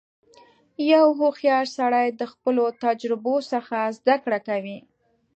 • یو هوښیار سړی د خپلو تجربو څخه زدهکړه کوي.